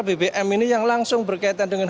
ya sementara bbm ini yang langsung berkaitan dengan